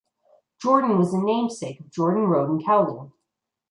Jordan was the namesake of Jordan Road in Kowloon.